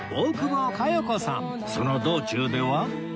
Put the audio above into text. その道中では